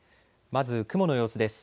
まず雲の様子です。